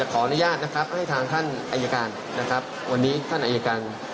ขออนุญาตนะครับให้ทางท่านอายการนะครับวันนี้ท่านอายการ